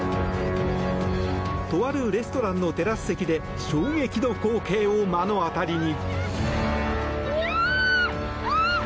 とあるレストランのテラス席で衝撃の光景を目の当たりに。